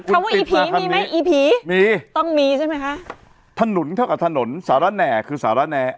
ว่าอีผีมีไหมอีผีมีต้องมีใช่ไหมคะถนนเท่ากับถนนสารแหน่คือสารแน่